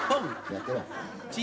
やってろ。